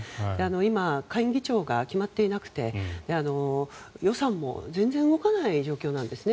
今、下院議長が決まっていなくて予算も全然動かない状況なんですね。